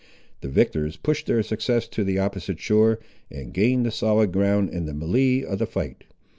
The victors pushed their success to the opposite shore, and gained the solid ground in the melee of the fight.